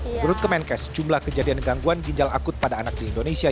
menurut kemenkes jumlah kejadian gangguan ginjal akut pada anak di indonesia